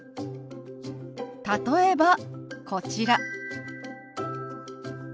例えばこちら。